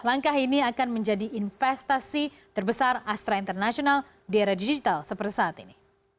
langkah ini akan menjadi investasi terbesar astra international di era digital seperti saat ini